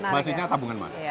maksudnya tabungan emas